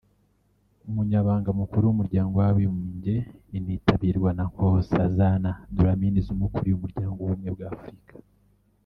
Umunyamabanga Mukuru w’Umuryango w’Abibumbye initabirwa na Nkosazana Dlamini Zuma ukuriye Umuryango w’Ubumwe bw’Afurika